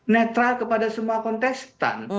netral kepada semua kontestan